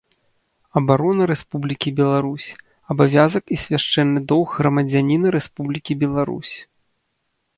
Абарона Рэспублікі Беларусь — абавязак і свяшчэнны доўг грамадзяніна Рэспублікі Беларусь.